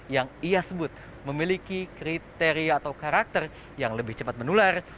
yang ia sebut memiliki kriteria atau karakter yang lebih cepat menular